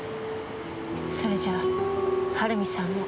それじゃはるみさんも？